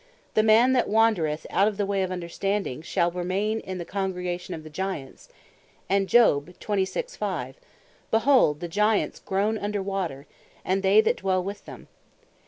"The man that wandreth out of the way of understanding, shall remain in the congregation of the Giants," and Job 26.5. "Behold the Giants groan under water, and they that dwell with them."